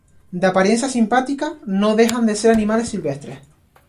De apariencia simpática, no dejan de ser animales silvestres.